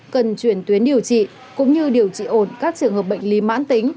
cần chuyển tuyến điều trị cũng như điều trị ổn các trường hợp bệnh lý mãn tính